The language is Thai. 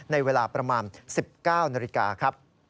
ในเวลาประมาณ๑๙นาที